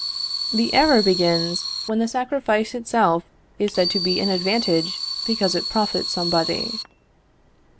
The error begins when the sacrifice itself is said to be an advantage because it profits somebody.